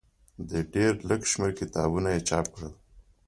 د ډېر لږ شمېر کتابونه یې چاپ کړل.